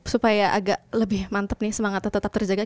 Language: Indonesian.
supaya agak lebih mantep nih semangatnya tetap terjaga